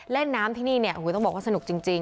เล่นน้ำที่นี่เนี่ยต้องบอกว่าสนุกจริง